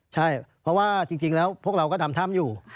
ใช่เพราะว่าจริงแล้วพวกเราก็ทำถ้ำอยู่